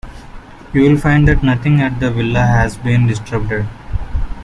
You will find that nothing at the villa has been disturbed.